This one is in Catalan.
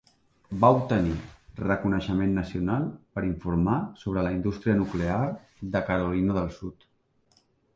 Va obtenir reconeixement nacional per informar sobre la indústria nuclear de Carolina del Sud.